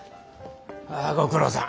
ああご苦労さん。